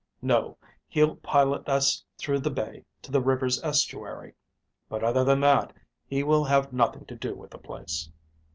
No, he'll pilot us through the bay to the river's estuary, but other than that, he will have nothing to do with the place.